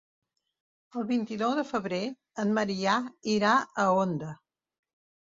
El vint-i-nou de febrer en Maria irà a Onda.